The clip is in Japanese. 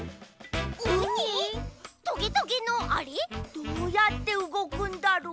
どうやってうごくんだろう？